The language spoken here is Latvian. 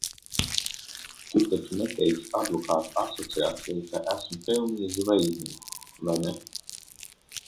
Tu taču neteiksi advokātu asociācijai, ka esmu pelnījis zvaigznīti, vai ne?